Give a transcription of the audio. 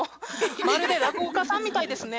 まるで落語家さんみたいですね。